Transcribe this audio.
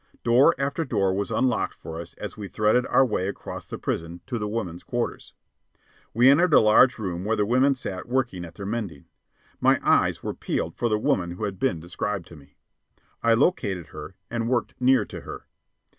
Door after door was unlocked for us as we threaded our way across the prison to the women's quarters. We entered a large room where the women sat working at their mending. My eyes were peeled for the woman who had been described to me. I located her and worked near to her.